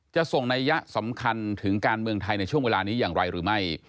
จะส่งนัยยะสำคัญถึงการเมืองไทยในช่วงเวลานี้อย่างไรหรือไม่